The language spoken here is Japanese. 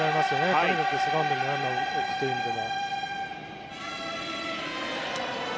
とにかくセカンドにランナーを送る意味では。